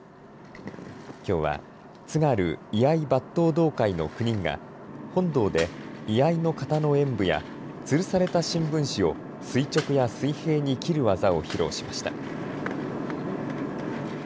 きょうは津軽居合抜刀道会の９人が本堂で居合の型の演武やつるされた新聞紙を垂直や水平に切る技を披露しました。